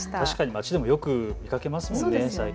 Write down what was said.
街でもよく見かけますものね。